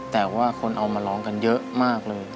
แต่ว่าคนเอามาร้องกันเยอะมากเลย